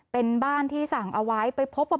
เป็นบ้านที่สั่งเอาไว้ไปพบว่า